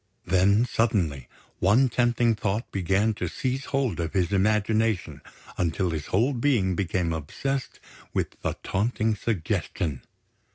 Then, suddenly, one tempting thought began to seize hold of his imagination until his whole being became obsessed with the taunting suggestion.